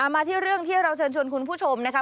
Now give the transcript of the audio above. มาที่เรื่องที่เราเชิญชวนคุณผู้ชมนะคะ